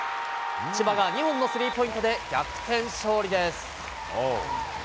千葉が２本のスリーポイントで、逆転勝利です。